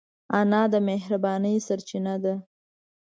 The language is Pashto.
انا د مهربانۍ سرچینه ده